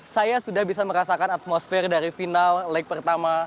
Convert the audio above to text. saya sudah merasa atmosfere dari final leg pertama